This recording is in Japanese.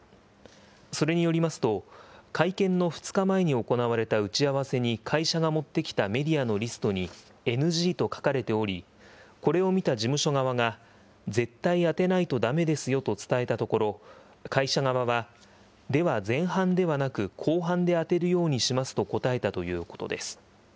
それによりますと、会見の２日前に行われた打ち合わせに会社が持ってきたメディアのリストに、ＮＧと書かれており、これを見た事務所側が、絶対当てないとだめですよと伝えたところ、会社側は、では前半ではなく後半で当てるようにしますと答えたということです。